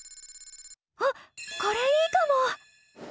あっこれいいかも！